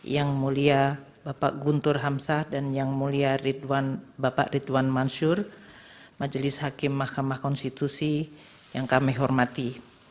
yang mulia bapak guntur hamsah dan yang mulia bapak ridwan mansur majelis hakim mahkamah konstitusi yang kami hormati